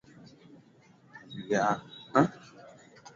Na bibi yake wakati mama yake alipo hamishwa kufanya kazi sehemu nyingine